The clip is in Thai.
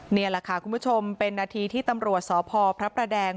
นี่แหละค่ะคุณผู้ชมเป็นนาทีที่ตำรวจสพพระประแดง